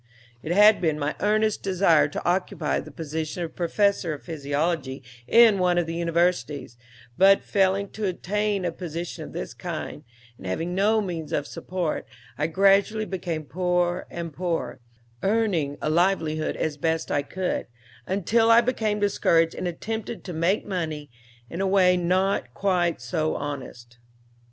"'It had been my earnest desire to occupy the position of professor of physiology in one of the universities, but failing to obtain a position of this kind, and having no means of support, I gradually became poorer and poorer, earning a livelihood as best I could, until I became discouraged and attempted to make money in a way not quite so honest.